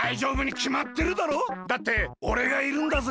だっておれがいるんだぜ。